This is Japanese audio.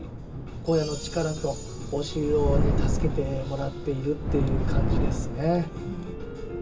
小屋の力とお城に助けてもらっているっていう感じですね。